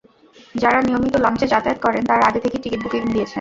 যাঁরা নিয়মিত লঞ্চে যাতায়াত করেন, তাঁরা আগে থেকেই টিকিট বুকিং দিয়েছেন।